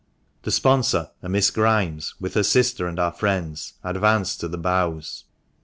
The sponsor, a Miss Grimes, with her sister and our friends, advanced to the bows.